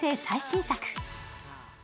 最新作。